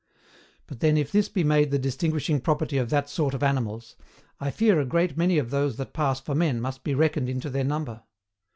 But then if this be made the distinguishing property of that sort of animals, I fear a great many of those that pass for men must be reckoned into their number.